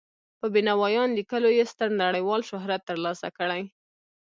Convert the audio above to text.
په بینوایان لیکلو یې ستر نړیوال شهرت تر لاسه کړی.